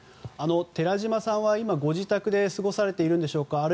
寺島さんは今、ご自宅で過ごされているんでしょうか。